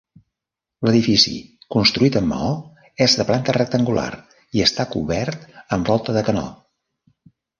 L'edifici, construït en maó, és de planta rectangular i està cobert amb volta de canó.